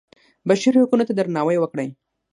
بشري حقونو ته درناوی وکړئ